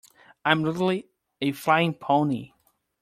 I'm literally a flying pony.